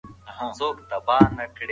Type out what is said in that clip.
رحیم له خپل ورور نه ډېر غوسه ناک دی.